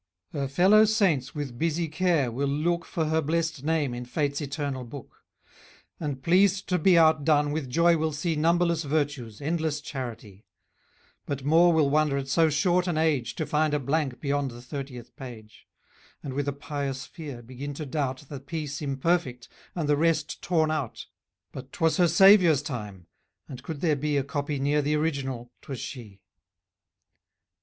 } Her fellow saints with busy care will look For her blest name in fate's eternal book; And, pleased to be outdone, with joy will see Numberless virtues, endless charity: But more will wonder at so short an age, To find a blank beyond the thirtieth page; And with a pious fear begin to doubt The piece imperfect, and the rest torn out. But 'twas her Saviour's time; and, could there be A copy near the original, 'twas she.